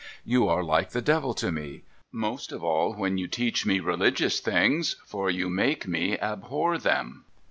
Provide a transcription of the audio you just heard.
You are like the Devil to me; most of all when you teach me religious things, for you make me abhor them.'